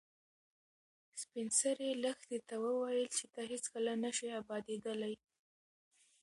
سپین سرې لښتې ته وویل چې ته هیڅکله نه شې ابادېدلی.